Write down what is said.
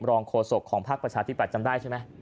โฆษกของภาคประชาธิบัตย์จำได้ใช่ไหม